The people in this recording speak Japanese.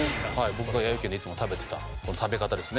僕がやよい軒でいつも食べてた食べ方ですね。